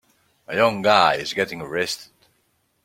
A young guy is getting arrested.